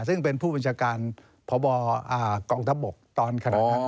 ซึ่งเป็นผู้บัญชาการพบกองทัพบกตอนขณะนั้น